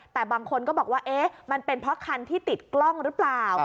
แต่บางคนก็บอกว่าเอ๊ะมันเป็นเพราะคันที่ติดกล้องหรือเปล่า